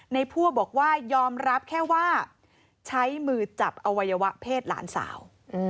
พั่วบอกว่ายอมรับแค่ว่าใช้มือจับอวัยวะเพศหลานสาว